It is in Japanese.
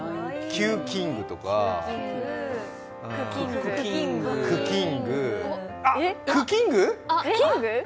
キュウキングとかクキングクキング！？